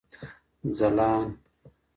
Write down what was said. ځلان